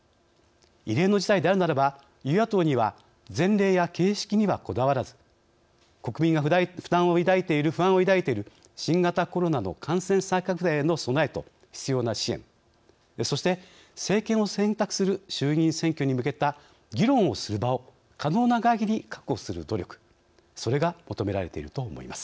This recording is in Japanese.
異例の事態であるならば与野党には前例や形式にはこだわらず国民が不安を抱いている新型コロナの感染再拡大への備えと必要な支援そして、政権を選択する衆議院選挙に向けた議論をする場を可能なかぎり確保する努力それが求められていると思います。